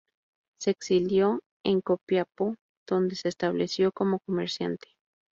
Se exilió en Copiapó, donde se estableció como comerciante.